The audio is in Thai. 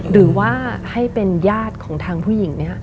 หรือว่าให้เป็นญาติของทางผู้หญิงเนี่ย